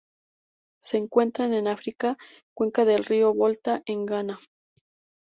Se encuentran en África: cuenca del río Volta en Ghana.